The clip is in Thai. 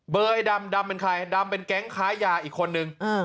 ไอ้ดำดำเป็นใครดำเป็นแก๊งค้ายาอีกคนนึง